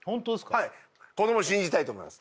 はい子供を信じたいと思います